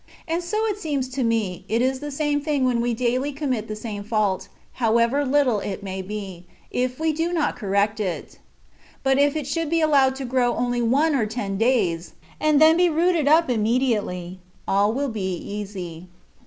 And so it seems to me it is the same thing when we daily commit the same fault, however little it may be, if we do not correct it ; but if it should be allowed to grow only one or ten days, and then be rooted up immediately, all will be easy.